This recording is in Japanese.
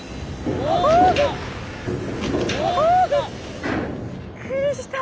おお！びっくりした。